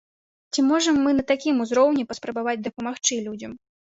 Ці можам мы на такім узроўні паспрабаваць дапамагчы людзям?